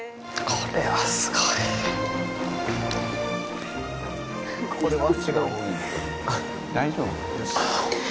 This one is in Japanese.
「“これはすごい”」「大丈夫？」